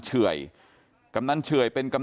ก็คุณตามมาอยู่กรงกีฬาดครับ